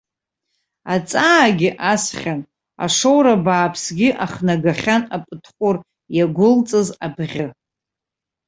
Аҵаагьы асхьан, ашоура бааԥсгьы ахнагахьан апытҟәыр иагәылҵыз абӷьы.